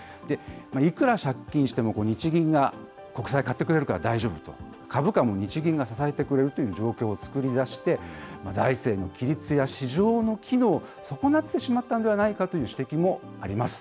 いくら借金しても日銀が国債買ってくれるから大丈夫と、株価も日銀が支えてくれるという状況を作り出して、財政の規律や市場の機能を損なってしまったのではないかという指摘もあります。